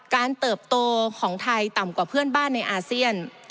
เติบโตของไทยต่ำกว่าเพื่อนบ้านในอาเซียน